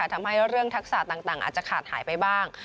ทำให้เรื่องทักษะต่างอาจจะขาดหายไปบ้าง